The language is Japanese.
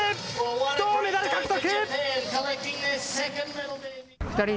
銅メダル獲得！